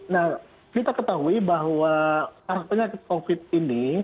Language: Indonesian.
nah kita ketahui bahwa artinya covid ini